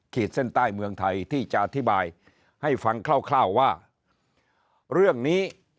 ขีดเส้นใต้เมืองไทยที่จะอธิบายให้ฟังคร่าวว่าเรื่องนี้